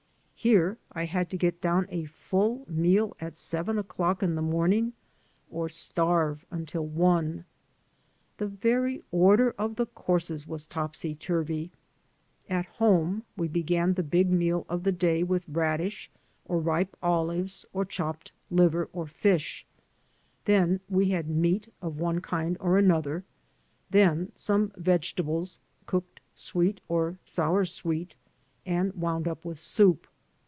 Here I had to get down a full meal at seven o'clock in the morning or starve until one. The very order of the courses was topsy turvy. At home we began the big meal of the day with radish or ripe olives or chopped liver or fish; then we had meat of one kind or another; then some vegetables cooked sweet or sour sweet, and wound up with soup.